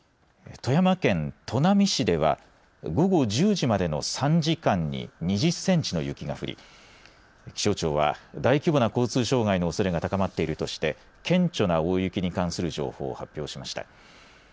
富山県砺波市では午後１０時までの３時間に２０センチの雪が降り気象庁は大規模な交通障害のおそれが高まっているとして顕著な大雪に関する情報を発表しました。